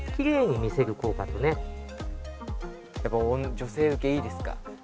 女性受けいいですか？